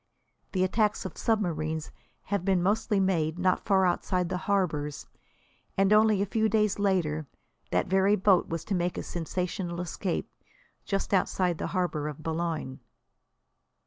The attacks of submarines have been mostly made not far outside the harbours, and only a few days later that very boat was to make a sensational escape just outside the harbour of Boulogne.